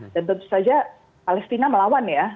dan tentu saja palestina melawan ya